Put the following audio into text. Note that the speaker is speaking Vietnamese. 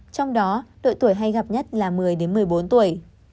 trong đó đội tuổi hay gặp nhất là một mươi một mươi bốn tuổi